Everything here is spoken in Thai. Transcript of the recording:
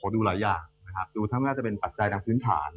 ดูว่าจะเป็นปัจจัยทางพื้นฐาน